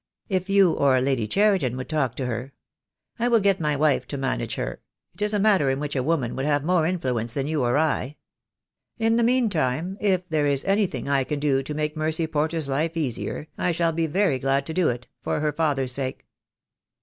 If you or Lady Cheriton would talk to her " "I will get my wife to manage her. It is a matter in which a woman would have more influence than you or I. In the meantime , if there is anything I can do to make Mercy Porter's life easier, I shall be very glad to do it, for her father's sake."